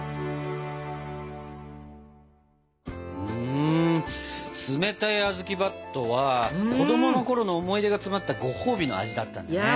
ふん冷たいあずきばっとは子どものころの思い出が詰まったごほうびの味だったんだね。